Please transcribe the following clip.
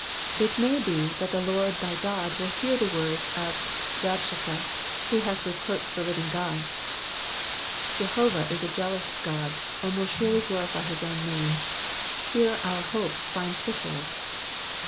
'It may be that the Lord thy God will Jiear the words of liabshakeh, who hath reproached the living God. Jehovah is a jealous God, and will surely glorify his own name ; here our hope finds foothold.